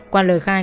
qua lời khai